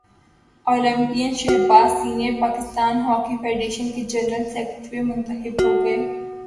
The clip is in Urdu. Olympian Shahbaz senior Pakistan hockey federation کے جنرل سیکرٹری منتخب ہو گئے